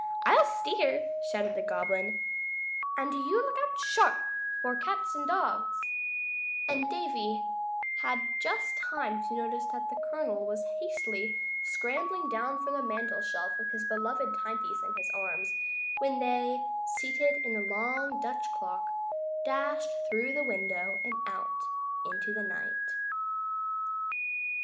"I'll steer," shouted the Goblin, "and do you look out sharp for cats and dogs," and Davy had just time to notice that the Colonel was hastily scrambling down from the mantel shelf with his beloved timepiece in his arms, when they, seated in the long Dutch clock, dashed through the window and out into the night.